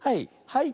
はい。